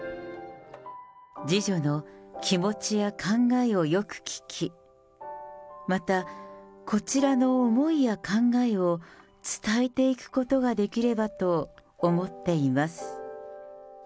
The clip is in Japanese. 次女の気持ちや考えをよく聞き、また、こちらの思いや考えを伝えていくことができればと思っています。